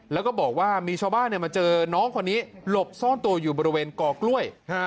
แล้วก็บอกว่ามีชาวบ้านมาเจอน้องคนนี้หลบซ่อนตัวอยู่บริเวณกอกล้วย